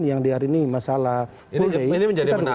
yang di hari ini masalah puldei